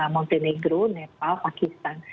montenegro nepal pakistan